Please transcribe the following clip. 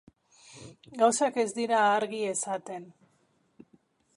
Gauzak ez dira argi esaten.